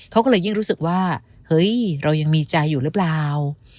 เขาก็เลยยิ่งรู้สึกว่าเฮ้ยเรายังมีใจอยู่หรือเปล่า